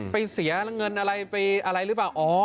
เสียเงินอะไรไปอะไรหรือเปล่า